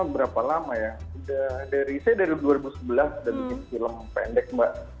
berapa lama ya saya dari dua ribu sebelas sudah bikin film pendek mbak